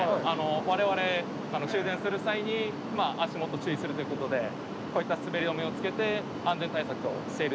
我々修繕する際に足元注意するということでこういった滑り止めをつけて安全対策をしているというような。